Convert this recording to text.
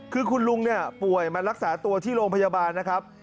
คือคุณลุงเนี่ยป่วยมารักษาตัวที่โรงพยาบาลนะครับ